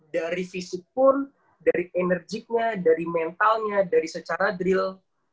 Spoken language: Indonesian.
dari fisik pun dari enerjiknya dari mentalnya dari secara drill